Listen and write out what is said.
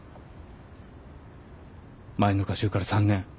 前の歌集から３年。